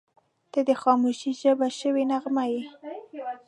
• ته د خاموشۍ ژبه شوې نغمه یې.